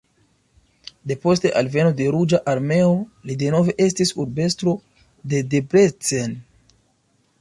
Depost alveno de Ruĝa Armeo li denove estis urbestro de Debrecen.